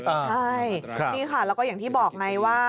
ใช่นี่ค่ะแล้วก็อย่างที่บอกไงว่า